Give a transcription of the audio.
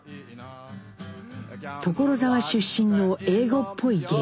「所沢出身の英語っぽい芸名」。